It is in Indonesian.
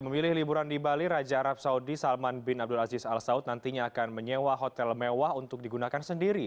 memilih liburan di bali raja arab saudi salman bin abdul aziz al saud nantinya akan menyewa hotel mewah untuk digunakan sendiri